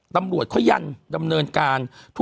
ตำรวจเขายันดำเนินการ